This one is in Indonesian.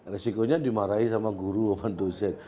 risikonya dimarahi sama guru sama dosen